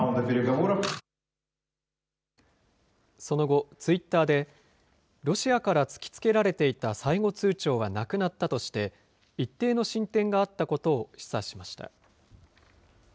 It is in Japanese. その後、ツイッターで、ロシアから突きつけられていた最後通ちょうはなくなったとして、一定の進展があったことを示唆しました。